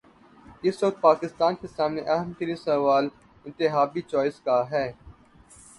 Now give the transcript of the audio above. اس وقت پاکستان کے سامنے اہم ترین سوال انتخابی چوائس کا ہے۔